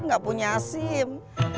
gak punya sim